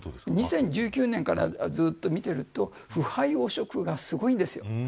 ２０１９年からずっと見ていると腐敗、汚職がすごいんです。